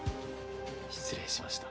失礼しました。